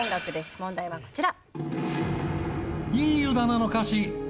問題はこちら。